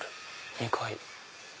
２階。